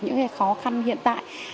những khó khăn hiện tại